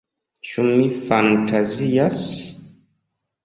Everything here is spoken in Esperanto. Ĉu mi fantazias?